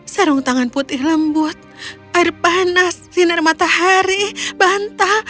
sarung tangan putih lembut air panas sinar matahari bantal